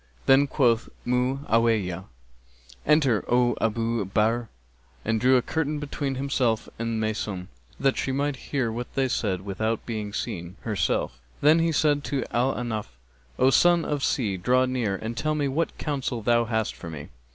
[FN#267] Then quoth Mu'awiyah, 'Enter, O Abu Bahr,' and drew a curtain between himself and Maysun, that she might hear what they said without being seen herself; then he said to Al Ahnaf, 'O Son of the Sea, draw near and tell me what counsel thou hast for me.'